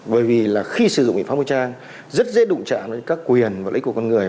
bởi vì khi sử dụng biện pháp vô trang rất dễ đụng trả các quyền và lý của con người